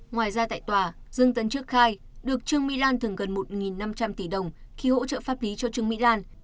ngoài ra tại tòa dương tân trước khai được trương mỹ lan thưởng gần một năm trăm linh tỷ đồng khi hỗ trợ pháp lý cho trương mỹ lan